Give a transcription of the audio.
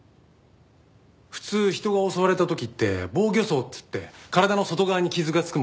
普通人が襲われた時って防御創っつって体の外側に傷がつくものなんだよ。